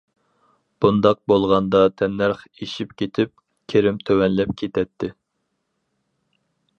بۇنداق بولغاندا تەننەرخ ئېشىپ كېتىپ كىرىم تۆۋەنلەپ كېتەتتى.